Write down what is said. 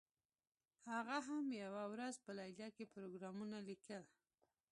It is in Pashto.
هغه هم یوه ورځ په لیلیه کې پروګرامونه لیکل